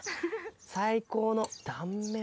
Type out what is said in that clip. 最高の断面も。